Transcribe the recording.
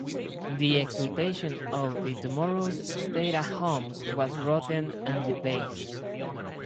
The exultation of the timorous stay-at-homes was rotten and debased.